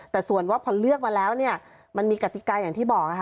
แต่ส่วนว่าพอเลือกมาแล้วมันมีกฎิกาอย่างที่บอก